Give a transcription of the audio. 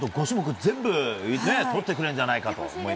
５種目全部とってくれるんじゃないかと。